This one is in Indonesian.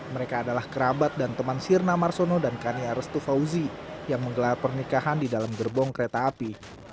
mereka adalah kerabat dan teman sirna marsono dan kania restu fauzi yang menggelar pernikahan di dalam gerbong kereta api